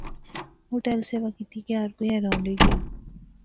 او ٹہل سیوا کیتی کہ ہر کوئی حیران رہی گیا